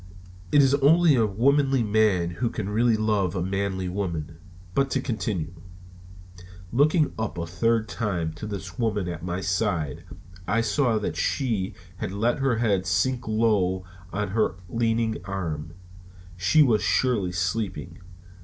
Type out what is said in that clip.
It is only a womanly man who can really love a manly woman. But to continue: Looking up a third time to this woman at my side, I saw that she had let her head sink low on her leaning arm. She was surely sleeping.